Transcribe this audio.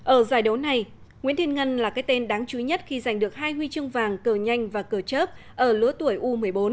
ở giải đấu này nguyễn thiên ngân là cái tên đáng chú ý nhất khi giành được hai huy chương vàng cờ nhanh và cờ chớp ở lứa tuổi u một mươi bốn